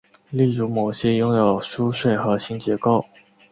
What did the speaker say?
例如某些拥有疏水核心结构。